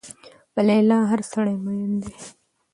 په لیلا هر سړی مين دی